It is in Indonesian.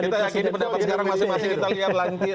kita yakin pendapat sekarang masih masih kita lihat lagi